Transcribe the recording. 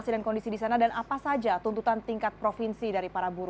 bagaimana pembicaraan dari idéa cancer planning board danorusida wacom